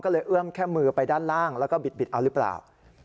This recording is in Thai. ก็เลยเอื้อมแค่มือไปด้านล่างแล้วก็บิดเอาหรือเปล่า